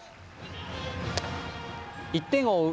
１点を追う